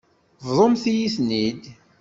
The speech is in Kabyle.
Bḍumt-iyi-ten-id.